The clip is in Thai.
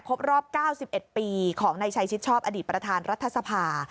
รอบ๙๑ปีของนายชัยชิดชอบอดีตประธานรัฐสภา